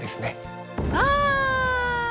わ。